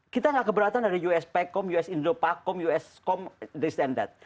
kita gak keberatan dari us pecom us indopacom uscom this and that